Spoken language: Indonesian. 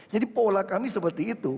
jadi pola kami seperti itu